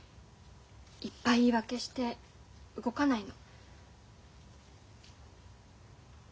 いっぱい言い訳して動かないの。